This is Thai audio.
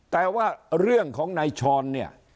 แต่ว่าเรื่องของนายชรเนี่ย